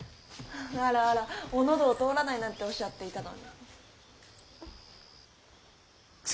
あらあらお喉を通らないなんておっしゃっていたのに。